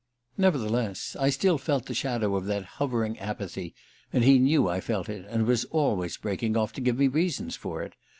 Nevertheless, I still felt the shadow of that hovering apathy, and he knew I felt it, and was always breaking off to give me reasons for it.